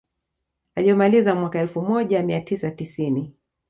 Aliyomaliza mwaka elfu moja mia tisa tisini